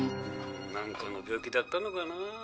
何かの病気だったのかな。